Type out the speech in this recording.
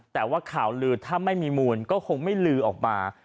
แต่ว่าข่าวลือถ้าไม่มีมูลก็คงไม่ลือออกมา